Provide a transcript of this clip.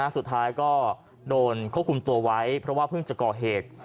สุดท้ายก็โดนควบคุมตัวไว้เพราะว่าเพิ่งจะก่อเหตุ